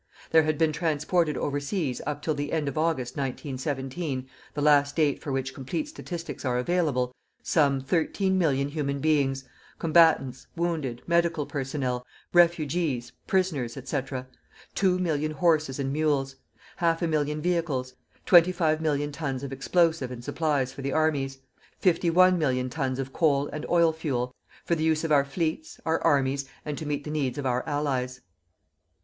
There had been transported overseas up till the end of August, 1917, the last date for which complete statistics are available some: 13 million human beings combatants, wounded, medical personnel, refugees, prisoners, &c. 2 million horses and mules; ½ million vehicles; 25 million tons of explosive and supplies for the armies; ... 51 million tons of coal and oil fuel for the use of our Fleets, our Armies, and to meet the needs of our Allies.